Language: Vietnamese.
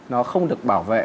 nó không được bảo vệ